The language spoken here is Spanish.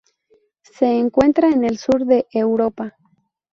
Se encuentra en el Sur de Europa.